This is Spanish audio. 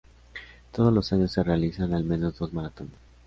Todos los años se realizan al menos dos maratones.